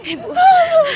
ibu sudah bu